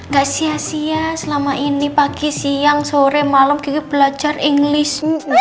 gak sia sia selama ini pagi siang sore malam kita belajar inglis